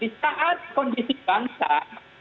di saat kondisi bangsa